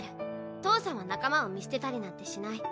父さんは仲間を見捨てたりなんてしない。